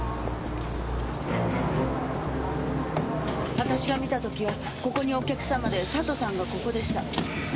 私が見た時はここにお客様で佐藤さんがここでした。